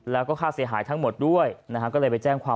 แล้วก็ค่าเสียหายทั้งหมดด้ดหรือง